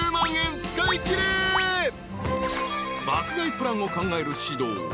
［爆買いプランを考える獅童。